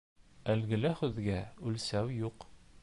Өлгөлө һүҙгә үлсәү юҡ.